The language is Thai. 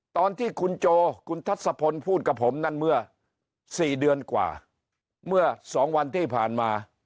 ตอนที่คุณโจคุณทัศพลพูดกับผมนั่นเมื่อ๔เดือนกว่าเมื่อ๒วันที่ผ่านมา